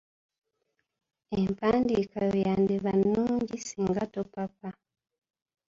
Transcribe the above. Empandiika yo yandibadde nnungi singa topapa.